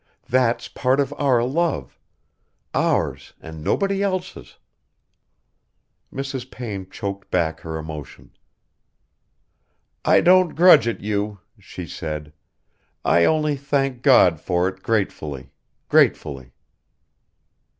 That's part of our love. Ours and nobody else's...." Mrs. Payne choked back her emotion. "I don't grudge it you," she said, "I only thank God for it gratefully ... gratefully."